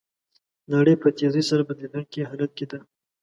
نړۍ په تېزۍ سره بدلیدونکي حالت کې ده.